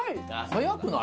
早くない？